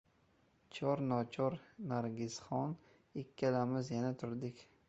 Chor-nochor Nargisxon ikkalamiz yana turdik.